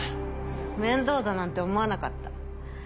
面倒だなんて思わなかった。